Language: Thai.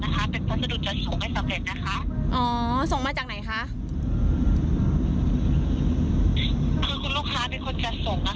แต่ในระบบนะคะขึ้นชื่อของคุณ